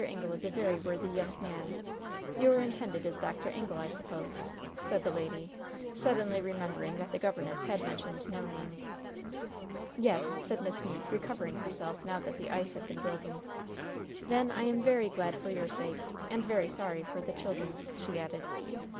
Ingle is a very worthy young man. Your intended is Dr. Ingle, I suppose?" said the lady, suddenly remembering that the governess had mentioned no name. "Yes," said Miss Meeke, recovering herself, now that the ice had been broken. "Then I am very glad, for your sake. And very sorry for the children's," she added.